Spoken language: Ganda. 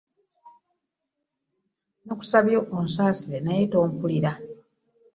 Nakusabye onsaasire naye tompuliriza.